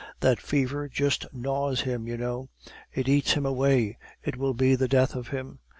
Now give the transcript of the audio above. That fever just gnaws him, you know; it eats him away; it will be the death of him.